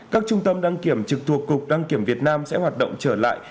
các trung tâm đăng kiểm trực thuộc cục đăng kiểm việt nam sẽ hoạt động trở lại